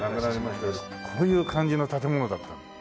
こういう感じの建物だったんだ。